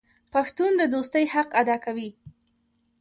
پښتون د دوستۍ حق ادا کوي.